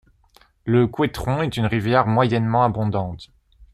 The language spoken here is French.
Le Couëtron est une rivière moyennement abondante.